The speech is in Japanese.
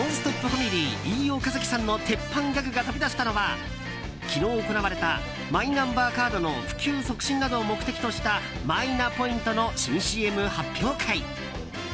ファミリー飯尾和樹さんの鉄板ギャグが飛び出したのは昨日行われたマイナンバーカードの普及促進などを目的としたマイナポイントの新ＣＭ発表会。